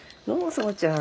園ちゃん。